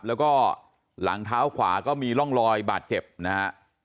แล้วก็หลังเท้าขวาก็มีร่องรอยบาดเจ็บนะฮะ